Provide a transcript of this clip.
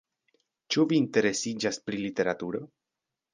Ĉu vi interesiĝas pri literaturo?